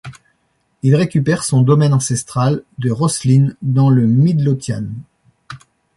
Il récupère son domaine ancestral de Rosslyn dans le Midlothian.